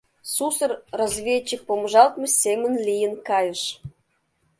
Сусыр разведчик помыжалтме семын лийын кайыш.